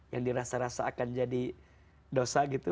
yang dirasa rasa akan jadi dosa gitu